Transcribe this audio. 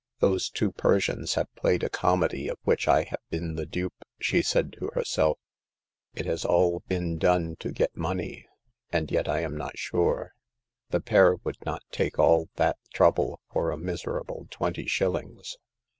"Those two Persians have played a comedy of which I have been the dupe/' she said to her self ;it has all been done to get money. And yet I am not sure ; the pair would not take all that trouble for a miserable twenty shillings.